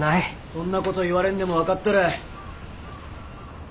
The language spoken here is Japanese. そんなこと言われんでも分かっとる。